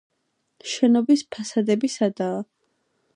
შენობის ფასადები სადაა.